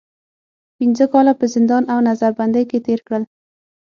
پنځه کاله په زندان او نظر بندۍ کې تېر کړل.